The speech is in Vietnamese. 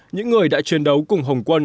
những người đã chiến đấu cùng hồng quân